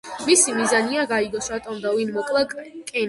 მისი მიზანია, გაიგოს, რატომ და ვინ მოკლა კენედი.